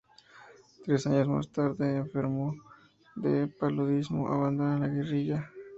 Tres años más tarde, enfermo de paludismo, abandona la guerrilla.